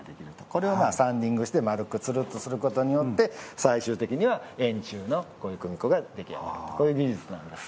これをサンディングして丸くつるっとすることによって最終的には円柱のこういう組子が出来上がるとこういう技術なんです。